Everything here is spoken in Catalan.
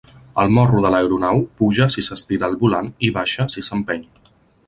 El morro de l'aeronau puja si s'estira el volant i baixa si s'empeny.